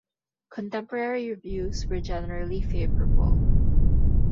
Contemporary reviews were generally favorable.